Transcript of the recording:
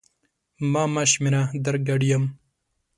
ما مه شمېره در ګډ یم!